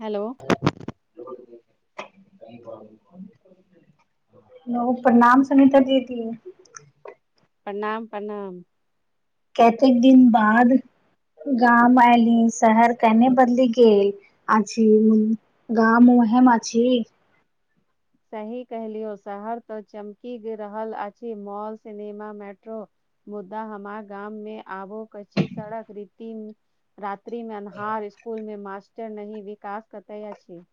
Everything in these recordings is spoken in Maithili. हेलो [inaudible] ओ प्रणाम सुनीता दीदी प्रणाम प्रणाम कतेक दिन बाद गाम ऐली शहर केने बदली गेल अ छी गाँ मुहेम अ छी सही कहलियौ शहर तऽ चमकि रहल अछि मॉल सिनेमा मेट्रो मुद्दा हमार गाम मे आबो कछी सड़क रीति रात्रि में अन्हार स्कुल में मास्टर नही विकास कते अछि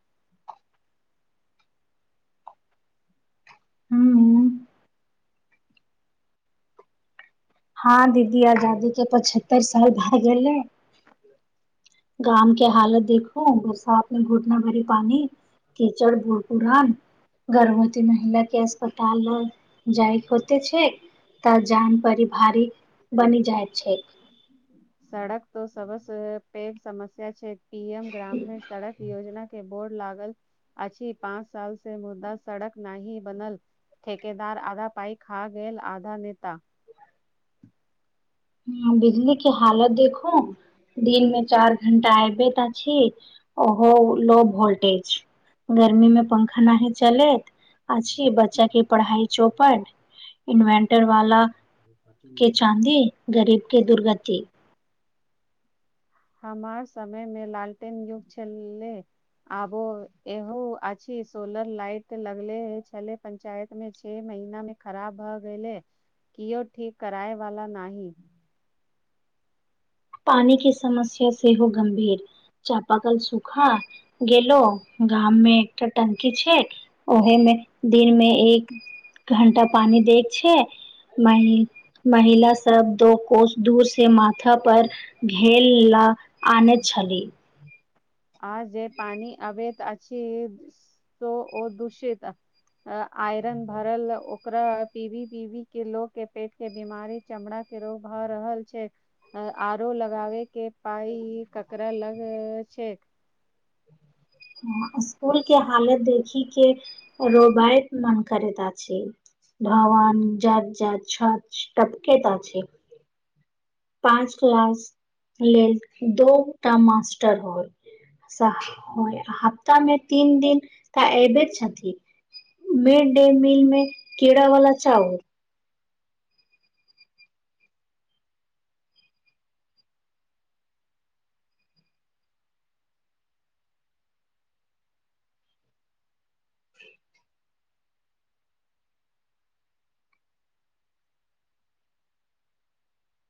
हूं हँ दीदी आजादी के पचहत्तर साल भए गेले गाम के हालत देखो बरसात मे घुटना भरी पानी कीचड़ भोरपुरन गर्भवती महिला के अस्पताल जाइके होते छै तऽ जान परी भारी बनि जाइ छै सड़क त सब पैघ समस्या छै पी एम ग्रामीण सड़क योजना के बोर्ड लागल अछी पाँच साल से मुद्दा सड़क नहीं बनल ठेकेदार आधा पइ खा गेल आधा नेता ह बिजली की हालत देखू दिन मे चार घंटा अऐबैत अछि ओहो लो वोल्टेज गर्मी में पंखा नहि चलैत अछि बच्चा के पढ़ाई चौपट इन्वेटर वाला के चाँदी गरीब के दुर्गति हमार समय में लालटेन युग छलै आबो एह अछि सोलर लाइट लगले छले पंणचायत मे छे महीना मे खराब भऽ गेलै किओ ठीक कराए वाला नाही पानी के समस्या सेहो हो गंमभीर चाप कल सूखा गेलेलो गाम मे एकटा टंकी छै ओहे मे दिन मे एक घण्टा पानी देत छै म महिला सब दो कोच दूर से माथा पर घेल ला आने छली आ जे पी अभत अ तो ओ दूषित अ आयरन भरल उ ओकरा पीवी पीवी के लोग के पेट के बीमारी चमड़ा के रोग भ रहल छै आरो लगाबे के पाइ ककरा लग छै [inaudible] स्कूल के हालत देखि के रोबाायत मन करेता छै धावान जत जत छ टपकेत आछै पाँच क्लास लेल दोटा मासटर हो हफ्ता मे तीन दिन तऽ एऐबे छथि मिड डे मील में कीड़ा वाला चौर [unintelligible]